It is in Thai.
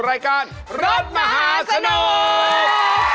รายการรถมหาสนุก